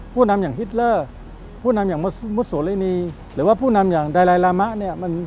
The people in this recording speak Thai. ผู้นำอย่างฮิตเลอร์ผู้นำอย่างมุโสรินีหรือว่าผู้นำอย่างไดลายลามะเนี่ย